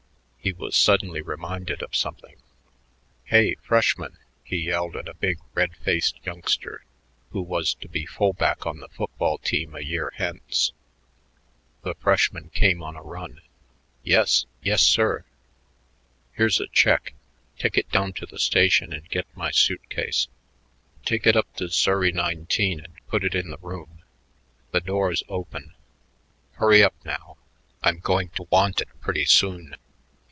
He was suddenly reminded of something. "Hey, freshman!" he yelled at a big, red faced youngster who was to be full back on the football team a year hence. The freshman came on a run. "Yes yes, sir?" "Here's a check. Take it down to the station and get my suit case. Take it up to Surrey Nineteen and put it in the room. The door's open. Hurry up now; I'm going to want it pretty soon."